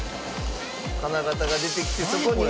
金型が出てきてそこに。